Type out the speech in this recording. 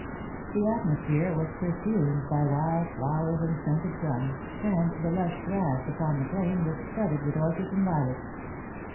The atmosphere was perfumed by wild flowers and scented gum, and the lush grass upon the plain was studded with orchids and violets.